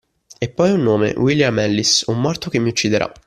E poi un nome: William Ellis – un morto che mi ucciderà!